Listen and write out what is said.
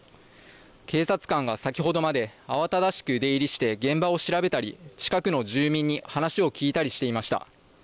警察官が先ほどまで慌ただしく出入りして現場を調べたり近くの住民に話を聞いたりしていました。